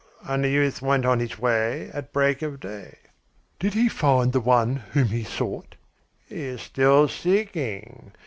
"And the youth went on his way at break of day " "Did he find the one whom he sought?" "He is still seeking.